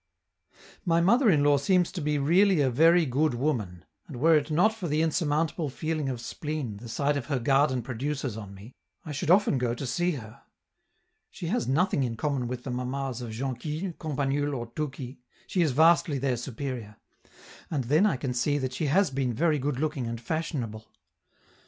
My mother in law seems to be really a very good woman, and were it not for the insurmountable feeling of spleen the sight of her garden produces on me, I should often go to see her. She has nothing in common with the mammas of Jonquille, Campanule, or Touki she is vastly their superior; and then I can see that she has been very good looking and fashionable.